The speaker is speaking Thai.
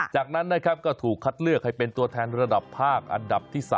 จากนั้นนะครับก็ถูกคัดเลือกให้เป็นตัวแทนระดับภาคอันดับที่๓